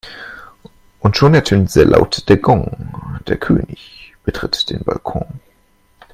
Und schon ertönt sehr laut der Gong, der König betritt den Balkon.